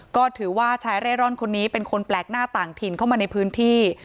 ก็ถือว่าชายเร่ร่อนคนนี้เป็นคนแปลกหน้าต่างถิ่นเข้ามาในพื้นที่